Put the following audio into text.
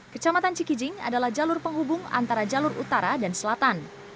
kecamatan cikijing adalah jalur penghubung antara jalur utara dan selatan